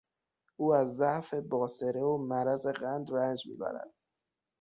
او از ضعف باصره و مرض قند رنج میبرد.